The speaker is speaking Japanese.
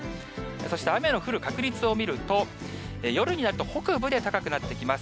そして、雨の降る確率を見ると、夜になると北部で高くなってきます。